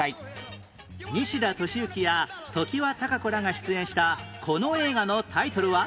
西田敏行や常盤貴子らが出演したこの映画のタイトルは？